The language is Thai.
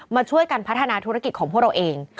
มาช่วยกันพัฒนาธุรกิจของพวกเราเอง